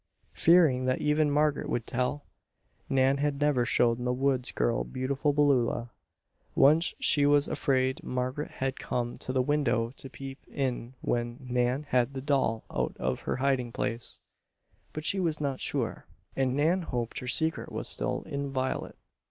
Fearing that even Margaret would tell, Nan had never shown the woods girl Beautiful Beulah. Once she was afraid Margaret had come to the window to peep in when Nan had the doll out of her hiding place; but she was not sure, and Nan hoped her secret was still inviolate.